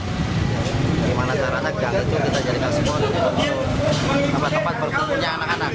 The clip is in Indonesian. gimana cara cara kita jadikan spot untuk tempat tempat berkepunya anak anak